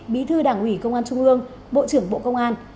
bí thư đảng ủy công an trung ương bộ trưởng bộ công an